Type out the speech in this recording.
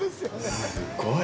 すっごい。